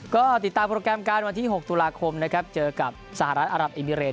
ก็ติดตามโปรแกรมการวันที่๖ตุลาคมนะครับเจอกับสหรัฐอารับเอมิเรน